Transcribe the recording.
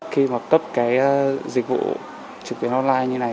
khi mà cấp cái dịch vụ trực tuyến online như này